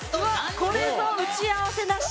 これぞ打ち合わせなし！